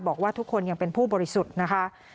บอกว่าทุกคนยังเป็นผู้บริสุทธิ์นะคะ